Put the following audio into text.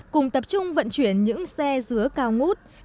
cùng tập trung vận chuyển những xe dứa cao ngút